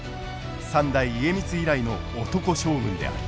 三代家光以来の男将軍である。